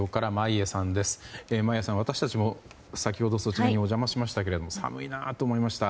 眞家さん、私たちも先ほどそちらにお邪魔しましたけども寒いなと思いました。